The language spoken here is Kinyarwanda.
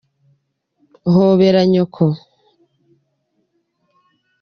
Hobera nyoko.